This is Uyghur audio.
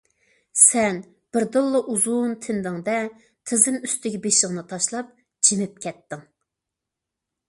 سەن بىردىنلا ئۇزۇن تىندىڭ- دە، تىزىم ئۈستىگە بېشىڭنى تاشلاپ جىمىپ كەتتىڭ.